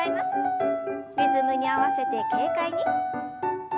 リズムに合わせて軽快に。